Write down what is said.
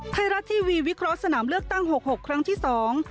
ไทยรัฐทีวีวิเคราะห์สนามเลือกตั้งหกหกครั้งที่สอง